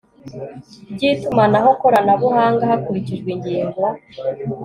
by itumanaho koranabuhanga hakurikijwe ingingo